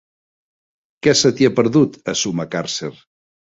Què se t'hi ha perdut, a Sumacàrcer?